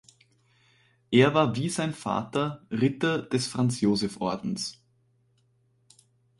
Er war wie sein Vater Ritter des Franz-Joseph-Ordens.